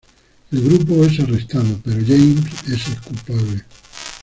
El grupo es arrestado, pero James es el culpable.